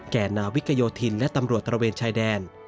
นาวิกโยธินและตำรวจตระเวนชายแดน